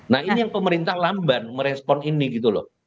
nah ini yang pemerintah lamban merespon ini gitu loh